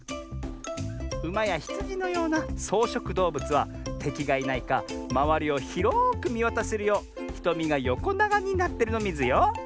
ウマやヒツジのようなそうしょくどうぶつはてきがいないかまわりをひろくみわたせるようひとみがよこながになってるのミズよ。